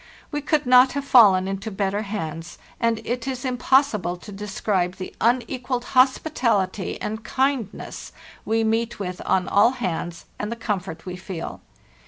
We could not have fallen into better hands, and it is 1m possible to describe the unequalled hospitality and kind ness we meet with on all hands, and the comfort we feel.